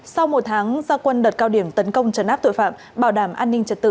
sau một tháng gia quân đợt cao điểm tấn công trấn áp tội phạm bảo đảm an ninh trật tự